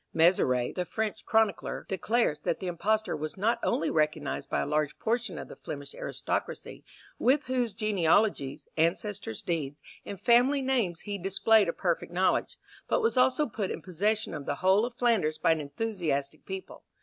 Mezeray, the French chronicler, declares that the impostor was not only recognized by a large portion of the Flemish aristocracy, with whose genealogies, ancestors' deeds, and family names he displayed a perfect knowledge, but was also put in possession of the whole of Flanders by an enthusiastic people.